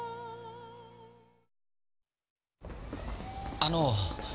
あの。